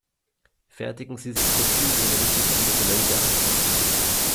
Fertigen Sie sich Kopien Ihrer wichtigsten Dokumente an.